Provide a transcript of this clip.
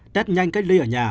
tết nhanh cách ly ở nhà